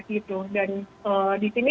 gitu dan disini